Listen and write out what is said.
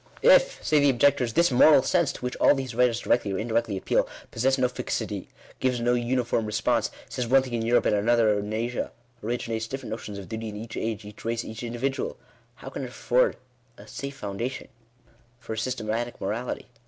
" If," say the objectors, " this 'moral sense/ to which all these writers directly or indirectly appeal, possesses no fixity, gives no uniform response, says one thing in Europe, and another in Asia — originates different notions of duty in each age, each race, each individual, how can it afford a safe foundation for a sys tematic morality?